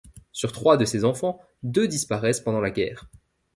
Sur trois de ses enfants, deux disparaissent pendant la guerre.